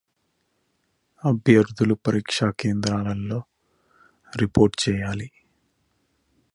అభ్యర్థులు పరీక్ష కేంద్రాల్లో రిపోర్ట్ చేయాలి